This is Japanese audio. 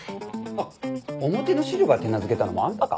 あっ表のシルバー手なずけたのもあんたか。